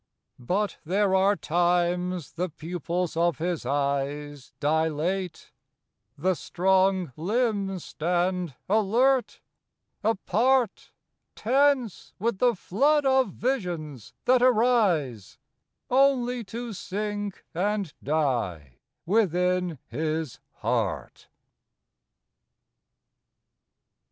But there are times the pupils of his eyes Dilate, the strong limbs stand alert, apart, Tense with the flood of visions that arise Only to sink and die within his heart.